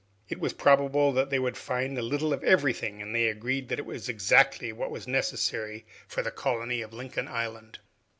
It was probable that they would find a little of everything, and they agreed that it was exactly what was necessary for the colony of Lincoln Island.